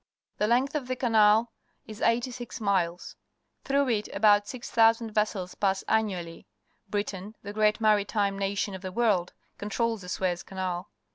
The length of the canal is eighty six miles. Through it about 6,000 vessels pass annually. Britain, the great maritime nation of the world, controls the Suez Canal.